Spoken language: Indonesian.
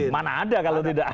mana ada kalau tidak